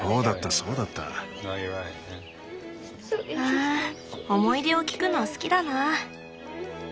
あ思い出を聞くの好きだな。